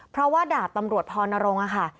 เพราะว่าดาบตำรวจพรณรงค์ค่ะ